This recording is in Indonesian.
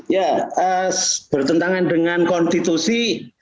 ya bertentangan dengan konstitusi